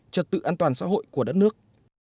trật tự an toàn xã hội của đất nước